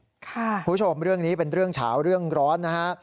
คุณผู้ชมเรื่องนี้เป็นเรื่องเฉาเรื่องร้อนนะฮะ